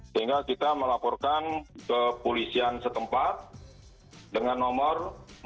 sehingga kita melaporkan ke polisian setempat dengan nomor empat